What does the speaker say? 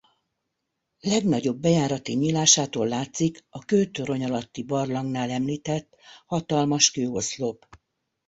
Legnagyobb bejárati nyílásától látszik a Kőtorony-alatti-barlangnál említett hatalmas kőoszlop.